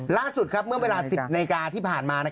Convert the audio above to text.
ล่าสุดเมื่อเวลา๑๐นาฬิกาที่ผ่านมา